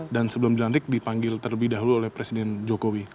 dan sebelum di lantik dipanggil terlebih dahulu oleh presiden jokowi